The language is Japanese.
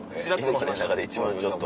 今までの中で一番ちょっと。